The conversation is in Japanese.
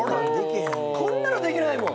こんなのできないもん。